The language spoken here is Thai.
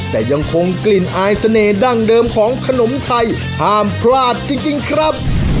แต่ยังคงกลิ่นอายเสน่หั้งเดิมของขนมไทยห้ามพลาดจริงครับ